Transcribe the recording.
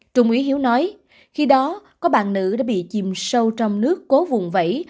trung ý hiếu nói khi đó có bạn nữ đã bị chìm sâu trong nước cố vùng vẫy